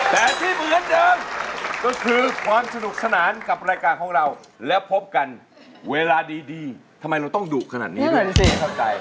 แต่ที่เหมือนเดิมก็คือความสนุกสนานกับรายการของเราแล้วพบกันเวลาดีทำไมเราต้องดุขนาดนี้ด้วย